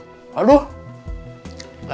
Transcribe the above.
lati saya bisa jual di jalan